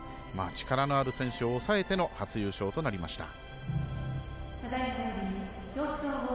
力のある選手を抑えての初優勝となりました。